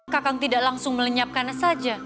kakang tidak langsung melenyapkannya saja